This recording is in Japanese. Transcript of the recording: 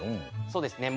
そうですね。